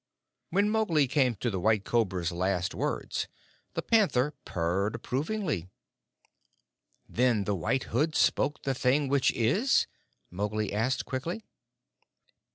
When Mowgli came to the White Cobra's last words, the Panther purred approvingly. "Then the White Hood spoke the thing which is?" Mowgli asked quickly.